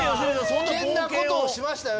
危険な事をしましたよ